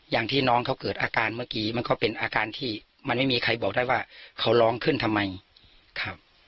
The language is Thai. อย่างที่น้องเขาเกิดอาการเมื่อกี้มันก็เป็นอาการที่มันไม่มีใครบอกได้ว่าเขาร้องขึ้นทำไมครับ